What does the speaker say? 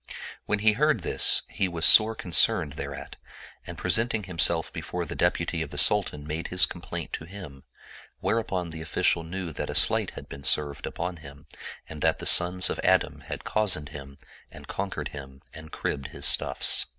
When he heard this, he was sore concerned thereat and presenting himself before the Deputy of the Sul tan made his complaint to him ; whereupon the official knew that a sleight had been served upon him and that the sons of Adam had cozened him and conquered him and cribbed his stuffs.